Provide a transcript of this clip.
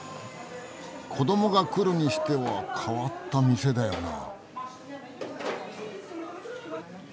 子どもが来るにしては変わった店だよなあ。